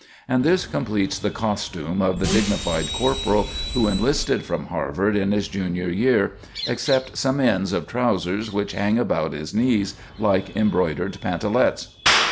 And this completes the costume of the dignified corporal who enlisted from Harvard in his junior year, except some ends of trousers which hang about his knees like embroidered pantalets.